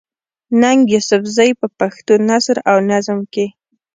ننګ يوسفزۍ په پښتو نثر او نظم کښې